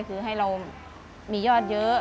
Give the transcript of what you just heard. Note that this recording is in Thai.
คือให้เรามียอดเยอะ